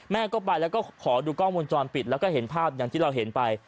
แม่ก็ไปแล้วก็ขอดูกล้องวงจรปิดแล้วก็เห็นภาพอย่างที่เราเห็นไป